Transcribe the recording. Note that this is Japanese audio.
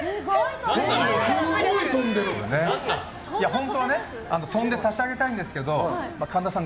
本当は跳んで差し上げたいんですけど神田さん